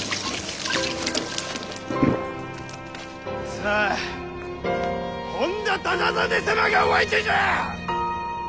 さあ本多忠真様がお相手じゃあ！